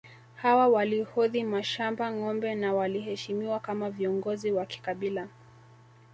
Hawa walihodhi mashamba ngombe na waliheshimiwa kama viongozi wa kikabila